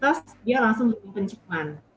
terus dia langsung butuh penciuman